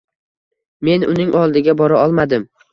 Men uning oldiga bora olmadim.